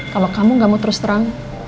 kalau kamu gak mau terus terang